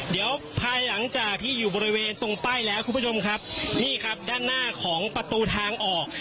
เดี๋ยวภายหลังจากที่อยู่บริเวณตรงป้ายแล้วคุณผู้ชมครับนี่ครับด้านหน้าของประตูทางออก